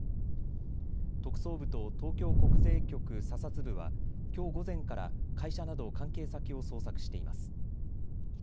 特捜部と東京国税局査察部はきょう午前から会社など関係先を捜索しています。